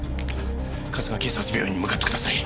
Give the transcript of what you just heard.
春日警察病院に向かってください。